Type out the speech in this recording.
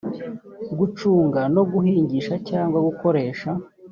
gucunga no guhingisha cyangwa gukoresha